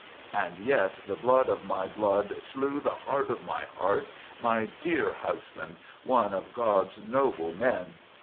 "And yet the blood of my blood slew the heart of my heart, my dear husband, one of God's noble men...."